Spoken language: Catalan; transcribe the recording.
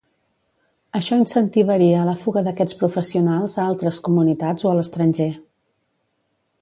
Això incentivaria la fuga d'aquests professionals a altres comunitats o a l'estranger.